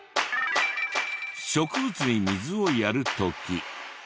植物に水をやる時。